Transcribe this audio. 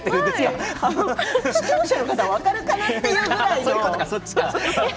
視聴者の方分かるかなというくらいの。